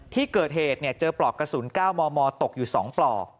ที่เกิดเหตุเจอปลอกกระสุน๙มมตกอยู่๒ปลอก